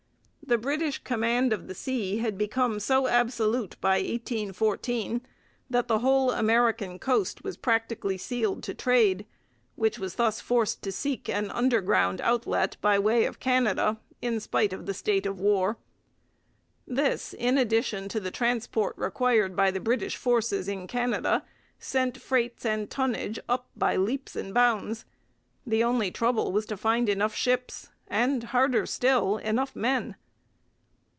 The British command of the sea had become so absolute by 1814 that the whole American coast was practically sealed to trade, which was thus forced to seek an 'underground' outlet by way of Canada, in spite of the state of war. This, in addition to the transport required by the British forces in Canada, sent freights and tonnage up by leaps and bounds. The only trouble was to find enough ships and, harder still, enough men.